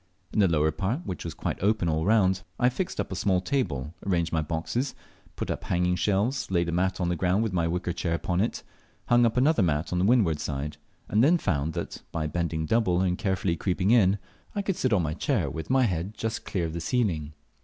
In the lower part (which was quite open all round) I fixed up a small table, arranged my boxes, put up hanging shelves, laid a mat on the ground with my wicker chair upon it, hung up another mat on the windward side, and then found that, by bending double and carefully creeping in, I could sit on my chair with my head just clear of the ceiling.